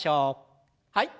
はい。